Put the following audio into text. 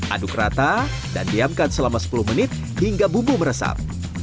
aduk rata dan diamkan selama sepuluh menit hingga bumbu meresap